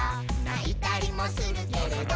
「ないたりもするけれど」